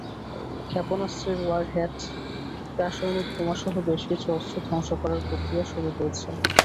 ক্ষেপণাস্ত্রের ওয়ারহেড, রাসায়নিক বোমাসহ বেশ কিছু অস্ত্র ধ্বংস করার প্রক্রিয়া শুরু হয়েছে।